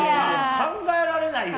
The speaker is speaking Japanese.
考えられないよ。